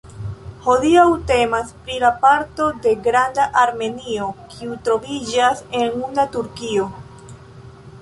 Hodiaŭ temas pri la parto de Granda Armenio kiu troviĝas en una Turkio.